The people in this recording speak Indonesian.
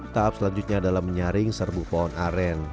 tahap selanjutnya adalah menyaring serbu pohon aren